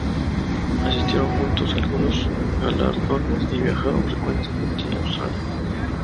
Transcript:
Asistieron juntos a algunos galardones y viajaron frecuentemente a Australia.